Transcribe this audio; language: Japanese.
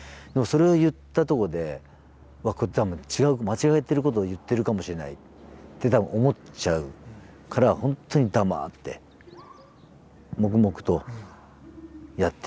それを言ったとこで間違えてることを言ってるかもしれないって多分思っちゃうから本当に黙って黙々とやってましたね。